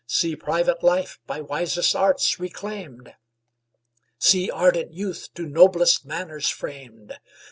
See private life by wisest arts reclaimed! See ardent youth to noblest manners framed!